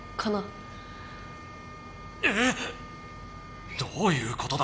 ええ⁉どういうことだ？